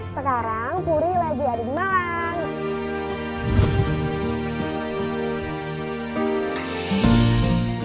sekarang puri lagi ada di malang